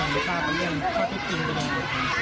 หลักที่พยายามว่าเขาต้องมีข้อที่จริงเป็นอะไรหรือเปล่า